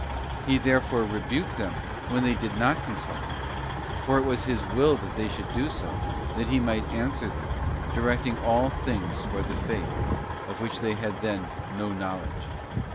He therefore rebuked them when they. did not consult Him; for it was His will they should do so, that He might answer them, directing all things towards the Faith, of which they had then no know ledge.